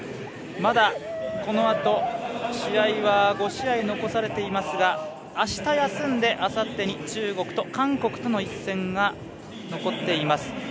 まだ、このあと試合は５試合残されていますがあした休んであさってに中国と韓国との一戦が残っています。